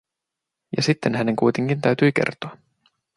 Ja sitten hänen kuitenkin täytyi kertoa.